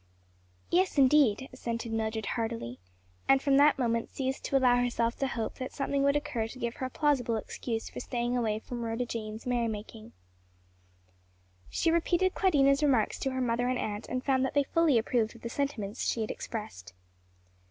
"Yes, indeed," assented Mildred heartily; and from that moment ceased to allow herself to hope that something would occur to give her a plausible excuse for staying away from Rhoda Jane's merry making. She repeated Claudina's remarks to her mother and aunt and found that they fully approved of the sentiments she had expressed.